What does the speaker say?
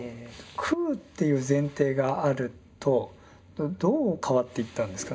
空っていう前提があるとどう変わっていったんですか？